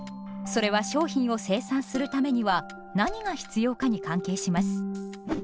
それは商品を生産するためには何が必要かに関係します。